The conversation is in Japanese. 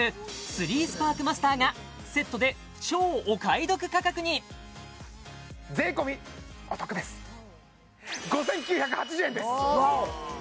３スパークマスターがセットで超お買い得価格に税込お得ですワオ！